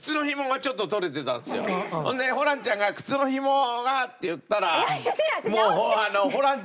そんでホランちゃんが「靴の紐が」って言ったらもう。